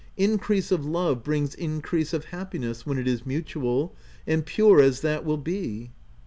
Increase of love brings increase of happiness, when it is mutual, and pure as that will be."